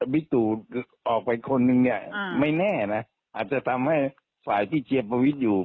วิกตูออกไปคนนึงเนี่ยไม่แน่นะอาจจะทำให้ฝ่ายที่เชียร์ประวิทย์อยู่